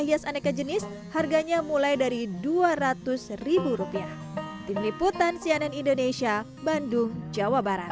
hias aneka jenis harganya mulai dari dua ratus rupiah tim liputan cnn indonesia bandung jawa barat